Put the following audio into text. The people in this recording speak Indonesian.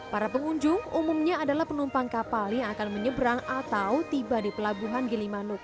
para pengunjung umumnya adalah penumpang kapal yang akan menyeberang atau tiba di pelabuhan gilimanuk